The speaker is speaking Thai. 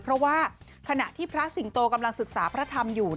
เพราะว่าขณะที่พระสิงโตกำลังศึกษาพระธรรมอยู่